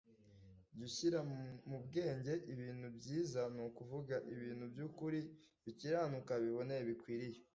Jya ushyira mu bwenge ibintu byiza ni ukuvuga ibintu by’ukuri bikiranuka biboneye bikwiriye